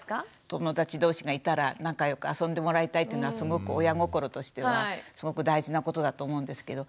友だち同士がいたら仲良く遊んでもらいたいっていうのはすごく親心としてはすごく大事なことだと思うんですけど。